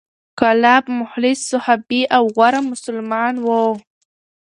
کلاب مخلص صحابي او غوره مسلمان و،